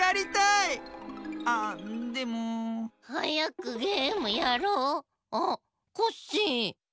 はやくゲームやろう。あっコッシー。